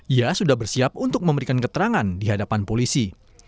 ia sudah bersiap untuk memberikan keterangan di hadapan polisi